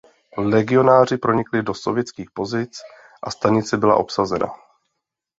Legionáři pronikli do sovětských pozic a stanice byla obsazena.